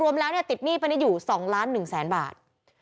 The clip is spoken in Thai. รวมแล้วเนี่ยติดหนี้ป้านิดอยู่๒๑๐๐๐๐๐บาท